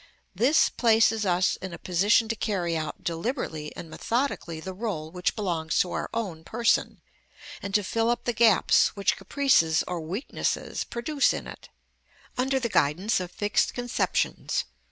This places us in a position to carry out deliberately and methodically the rôle which belongs to our own person, and to fill up the gaps which caprices or weaknesses produce in it, under the guidance of fixed conceptions.